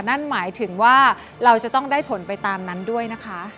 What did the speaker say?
นั่นหมายถึงว่าเราจะต้องได้ผลไปตามนั้นด้วยนะคะ